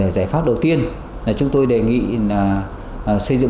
giải pháp đầu tiên là chúng tôi đề nghị là